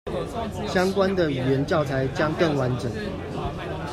相關的語言教材將更完整